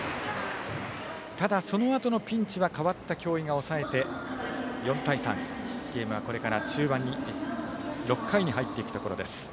ただそのあとのピンチは代わった京井が抑えてゲームはこれから６回に入っていくところです。